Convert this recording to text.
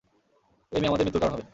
এই মেয়ে আমাদের মৃত্যুর কারণ হবে।